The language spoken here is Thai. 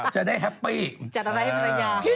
จะได้แฮปปี้